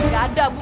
nggak ada bu